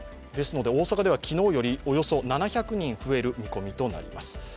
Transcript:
大阪では昨日よりおよそ７００人増える見込みとなります。